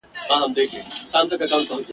پیر اغوستې ګودړۍ وه ملنګینه ..